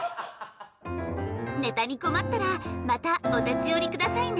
ネタに困ったらまたお立ち寄り下さいね。